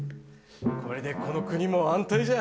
これでこの国も安泰じゃ。